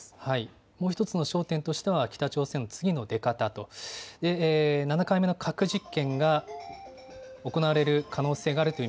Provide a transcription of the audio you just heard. もう１つの焦点としては、北朝鮮の次の出方と、７回目の核実験が行われる可能性があるとい